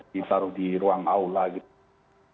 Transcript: ditaruh di ruang aula gitu